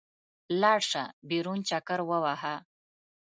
لاړ شه، بېرون چکر ووهه.